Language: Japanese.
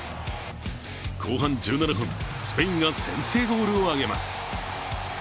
後半１７分、スペインが先制ゴールを挙げます。